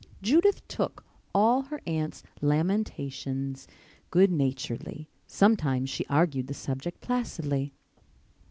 Judith took all her aunt's lamentations good naturedly. Sometimes she argued the subject placidly.